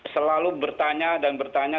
selalu bertanya dan bertanya